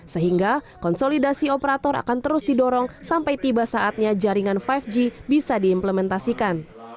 sehingga konsolidasi operator akan terus didorong sampai tiba saatnya jaringan lima g bisa diimplementasikan